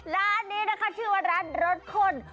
ร้านนี้นะคะชื่อว่าร้านรสข้น